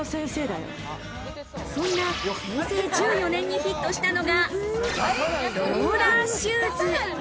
そんな平成１４年にヒットしたのが、ローラーシューズ。